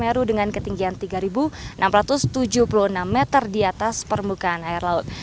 pemuda yang berhasil menangkap puncak mahameru dengan ketinggian tiga ribu enam ratus tujuh puluh enam meter di atas permukaan air laut